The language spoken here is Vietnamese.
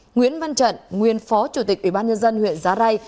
nguyễn văn trận nguyên phó chủ tịch ủy ban nhân dân huyện giá rai